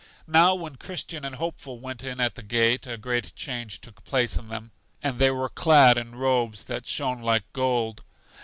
Now, when Christian and Hopeful went in at the gate a great change took place in them, and they were clad in robes that shone like gold.